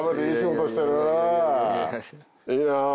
いいなぁ！